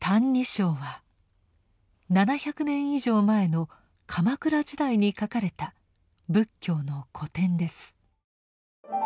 「歎異抄」は７００年以上前の鎌倉時代に書かれた仏教の古典です。